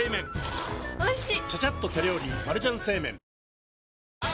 はぁおいしい！